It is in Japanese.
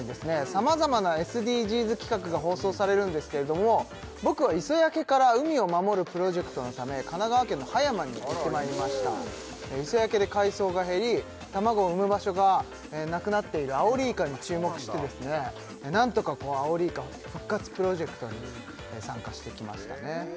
様々なＳＤＧｓ企画が放送されるんですけれども僕は磯焼けから海を守るプロジェクトのため神奈川県の葉山に行ってまいりました磯焼けで海草が減り卵を産む場所がなくなっているアオリイカに注目してですね何とかアオリイカを復活プロジェクトに参加してきましたね